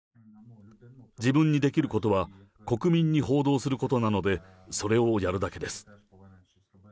自分にできることは、国民に報道することなので、それをやるだけです。